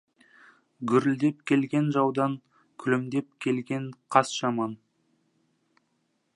Гүрілдеп келген жаудан, күлімдеп келген қас жаман.